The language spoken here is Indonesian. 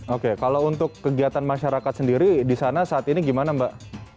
oke kalau untuk kegiatan masyarakat sendiri di sana saat ini gimana mbak